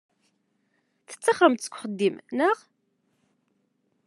Tettaxrem-d seg uxeddim, naɣ?